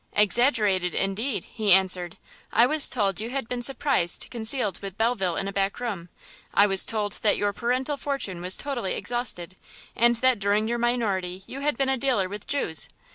"Exaggerated indeed!" he answered; "I was told you had been surprised concealed with Belfield in a back room, I was told that your parental fortune was totally exhausted, and that during your minority you had been a dealer with Jews!